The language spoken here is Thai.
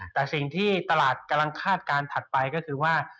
แต่สิ่งที่ตลาดกำลังคาดการณ์ถัดไปก็คือว่า